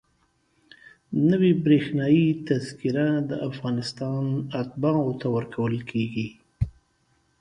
نوې برېښنایي تذکره د افغانستان اتباعو ته ورکول کېږي.